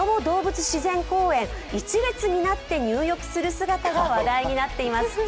動物自然公園、一列になって入浴する姿が話題になっています。